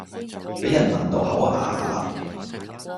比人問到口啞啞